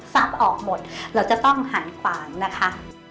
ออกหมดเราจะต้องหันขวางนะคะ